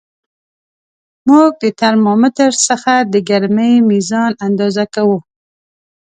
موږ د ترمامتر څخه د ګرمۍ میزان اندازه کوو.